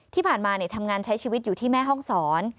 ที่ผ่านมาทำงานใช้ชีวิตอยู่ที่แม่ห้องศร